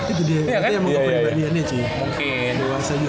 itu dia itu dia yang mengucapkan kembangannya